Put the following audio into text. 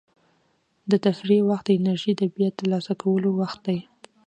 د تفریح وخت د انرژۍ د بیا ترلاسه کولو وخت دی.